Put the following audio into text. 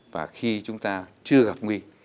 và khi chúng ta chưa gặp nguy